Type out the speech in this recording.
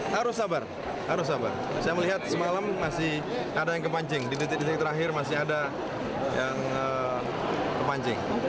harus sabar saya melihat semalam masih ada yang kepancing di detik detik terakhir masih ada yang kepancing